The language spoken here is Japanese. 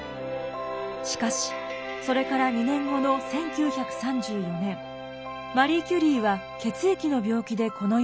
しかしそれから２年後の１９３４年マリー・キュリーは血液の病気でこの世を去ります。